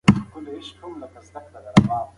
زده کړه د انټرنیټ په مرسته ډېره چټکه ده.